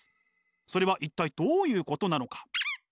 それは一体どういうことなのか？